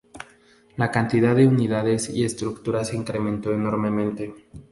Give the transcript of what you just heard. La cantidad de unidades y estructuras se incrementó enormemente.